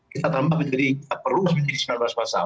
kita tambah menjadi kita perlu menjadi sembilan belas pasal